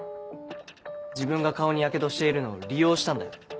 自分が顔にヤケドしているのを利用したんだよ。